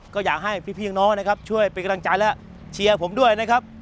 ก็อยากให้พี่น้องนะครับช่วยเป็นกำลังใจและเชียร์ผมด้วยนะครับ